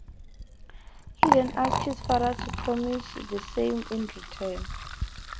He then asked his father to promise the same in return.